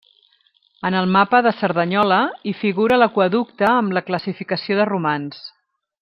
En el Mapa de Cerdanyola, hi figura l'aqüeducte amb la classificació de Romans.